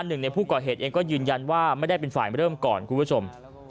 หนึ่งในผู้ก่อเหตุเองก็ยืนยันว่าไม่ได้เป็นฝ่ายเริ่มก่อนคุณผู้ชม